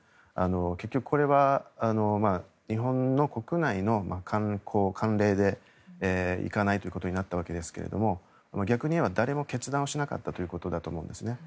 結局これは日本の国内の慣行・慣例で行かないということになったわけですが逆に言えばだれも決断しなかったということだと思うんですね。